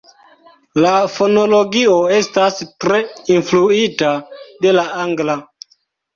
La fonologio estas tre influita de la angla.